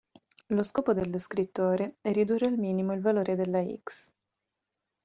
Lo scopo dello scrittore è ridurre al minimo il valore della "x".